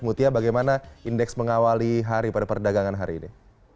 mutia bagaimana indeks mengawali hari pada perdagangan hari ini